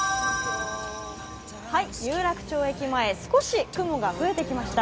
有楽町駅前、少し雲が増えてきました。